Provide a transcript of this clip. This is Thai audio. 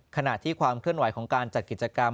ขณะที่ความเคลื่อนไหวของการจัดกิจกรรม